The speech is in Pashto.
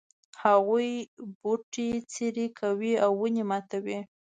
هغوی بوټي څیري کوي او ونې ماتوي